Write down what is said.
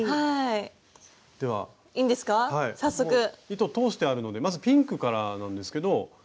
糸通してあるのでまずピンクからなんですけど。